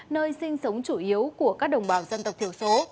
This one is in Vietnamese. nơi sinh sống chủ yếu của các đồng bào dân tộc thiểu số